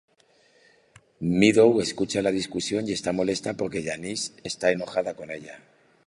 Meadow escucha la discusión y está molesta porque Janice está enojada con ella.